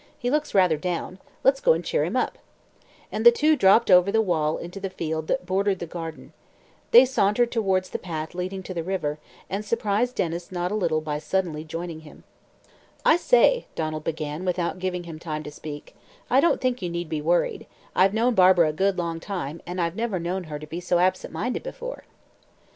"He looks rather down; let's go and cheer him up," and the two dropped over the wall into the field that bordered the garden. They sauntered towards the path leading to the river, and surprised Denys not a little by suddenly joining him. [Illustration: "They surprised Denys by suddenly joining him."] "I say," Donald began, without giving him time to speak, "I don't think you need be worried, I've known Barbara a good long time, and I've never known her to be so absent minded before."